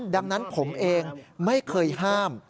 ดังนั้นผมเองไม่เคยห้าม